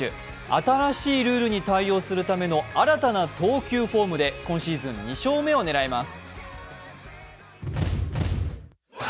新しいルールに対応するための新たな投球フォームで今シーズン２勝目を狙います。